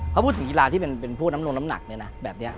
เขาพูดถึงกีฬาที่เป็นพวกน้ำนวงน้ำหนักเนี่ยนะแบบนี้